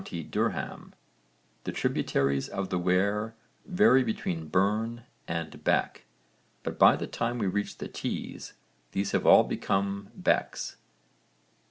Durham the tributaries of the Wear vary between 'burn' and 'beck,' but by the time we reach the Tees these have all become becks.